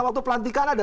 waktu pelantikan ada